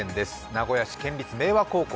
名古屋市、県立明和高校。